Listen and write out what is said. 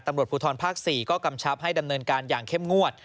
ตำรวจภูทรภาค๔ก็กำชับให้ดำเนินการอย่างเข้มงวด